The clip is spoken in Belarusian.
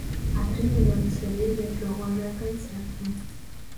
Атрымліваюцца вельмі прыгожыя канцэрты.